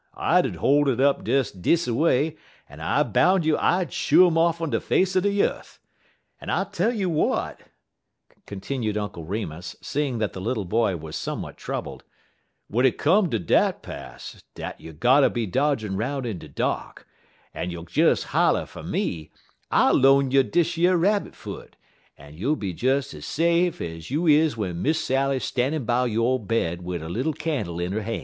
I 'ud hol' it up des dis a way, en I boun' you I'd shoo um off'n de face er de yeth. En I tell you w'at," continued Uncle Remus, seeing that the little boy was somewhat troubled, "w'en it come to dat pass dat you gotter be dodgin' 'roun' in de dark, ef you'll des holler fer me, I'll loan you dish yer rabbit foot, en you'll be des ez safe ez you is w'en Miss Sally stannin' by yo' bed wid a lit can'le in 'er han'.